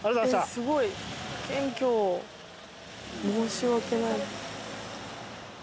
すごい謙虚申し訳ない。